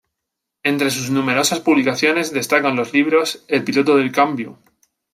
Entre sus numerosas publicaciones, destacan los libros: "El piloto del cambio.